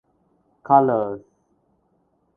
Colours.